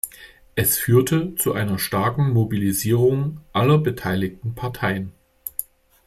Es führte zu einer starken Mobilisierung aller beteiligten Parteien.